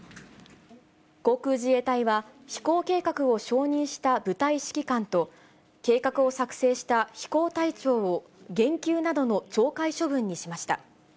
航空自衛隊は、飛行計画を承認した部隊指揮官と、計画を作成した飛行隊長を減給などの懲戒処分にしました。